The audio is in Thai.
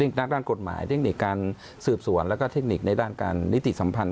นักด้านกฎหมายเทคนิคการสืบสวนแล้วก็เทคนิคในด้านการนิติสัมพันธ